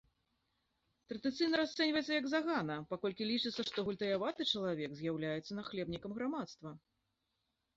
Традыцыйна расцэньваецца як загана, паколькі лічыцца, што гультаяваты чалавек з'яўляецца нахлебнікам грамадства.